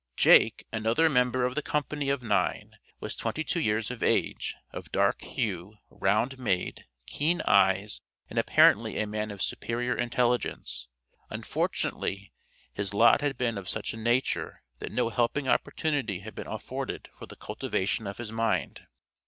Jake, another member of the company of nine, was twenty two years of age, of dark hue, round made, keen eyes, and apparently a man of superior intelligence. Unfortunately his lot had been of such a nature that no helping opportunity had been afforded for the cultivation of his mind.